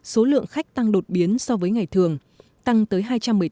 số lượng khách tăng đột biến so với ngày thường tăng tới hai trăm một mươi tám